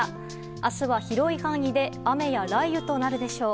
明日は広い範囲で雨や雷雨となるでしょう。